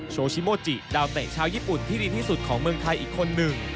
โชชิโมจิดาวเตะชาวญี่ปุ่นที่ดีที่สุดของเมืองไทยอีกคนหนึ่ง